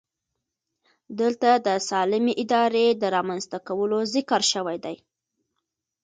دلته د سالمې ادارې د رامنځته کولو ذکر شوی دی.